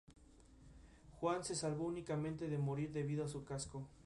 Juan se salvó únicamente de morir debido a su casco.